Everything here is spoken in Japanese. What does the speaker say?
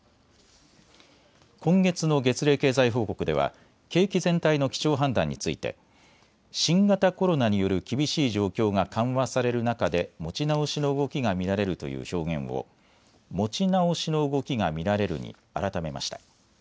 今月の月例経済報告では景気全体の基調判断について新型コロナによる厳しい状況が緩和される中で持ち直しの動きが見られるという表現を持ち直しの動きが見られるに改めました。